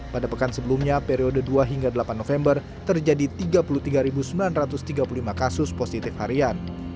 pada pekan sebelumnya periode dua hingga delapan november terjadi tiga puluh tiga sembilan ratus tiga puluh lima kasus positif harian